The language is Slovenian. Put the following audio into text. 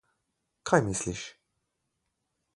Kaj misliš?